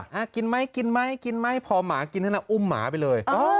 ค่ะอ่ะกินไหมกินไหมกินไหมพอหมากินแล้วอุ้มหมาไปเลย